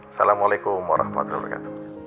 assalamualaikum warahmatullahi wabarakatuh